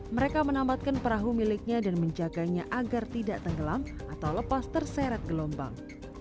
mereka menambatkan perahu miliknya dan menjaganya agar tidak tenggelam atau lepas terseret gelombang